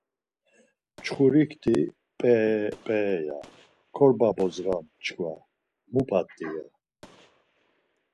Mçxurikti, P̌eee p̌eee, ya, korba bodzğam çkva, mu p̌at̆i ya.